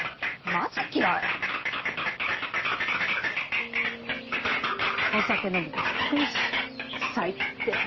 マジ嫌いお酒飲むとしつこいし最低